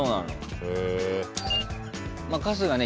まあ春日ね